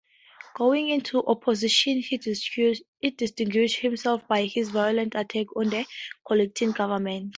Going into opposition, he distinguished himself by his violent attacks on the Kolettis government.